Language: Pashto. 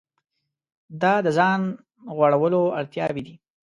دا د ځان غوړولو اړتیاوې دي.